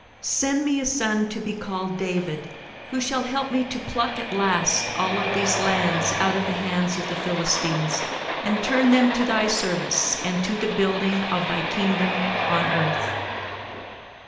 Send me a son to be called David who shall help me to pluck at last all of these lands out of the hands of the Philistines and turn them to Thy service and to the building of Thy kingdom on earth."